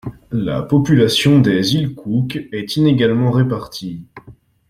La population des Îles Cook est inégalement répartie.